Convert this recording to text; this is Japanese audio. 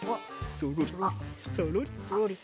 そろりそろり。